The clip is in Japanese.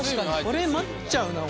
これ待っちゃうな俺。